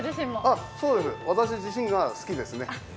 そうです、私自身が好きですね。